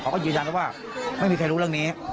เขาก็ยืนยันว่าไม่มีใครรู้เรื่องนี้